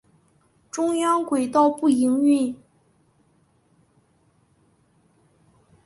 中央轨道不营运。